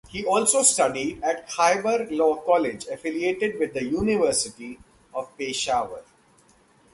He also studied at Khyber Law College affiliated with the University of Peshawar.